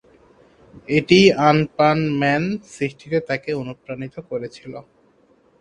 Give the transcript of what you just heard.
এটিই"আনপানম্যান" সৃষ্টিতে তাকে অনুপ্রাণিত করেছিল।